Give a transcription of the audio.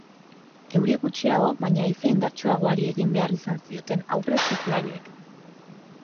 Euri gutxiago baina haize indartsuagoari egin behar izan zioten aurre surflariek.